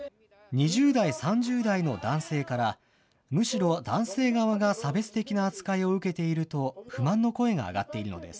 ２０代、３０代の男性から、むしろ、男性側が差別的な扱いを受けていると不満の声が上がっているのです。